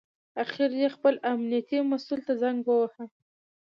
اخر یې خپل امنیتي مسوول ته زنګ وواهه.